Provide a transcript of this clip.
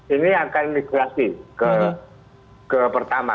ini akan migrasi ke pertama